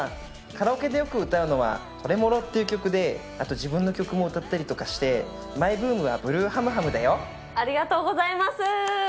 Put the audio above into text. カラオケでよく歌うのはトレモロっていう曲で、あと自分の曲も歌ったりとかして、マイブームはブありがとうございます。